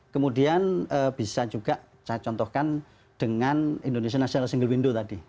kemudian bisa juga saya contohkan dengan indonesia national single window tadi